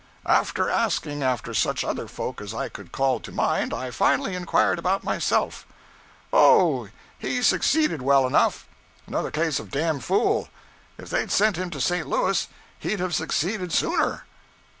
After asking after such other folk as I could call to mind, I finally inquired about myself: 'Oh, he succeeded well enough another case of damned fool. If they'd sent him to St. Louis, he'd have succeeded sooner.'